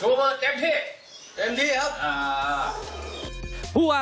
เตรียมป้องกันแชมป์ที่ไทยรัฐไฟล์นี้โดยเฉพาะ